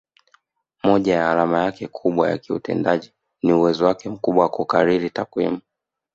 Moja ya alama yake kubwa ya kiutendaji ni uwezo wake mkubwa wa kukariri takwimu